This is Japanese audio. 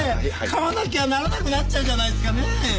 買わなきゃならなくなっちゃうじゃないですかねえ！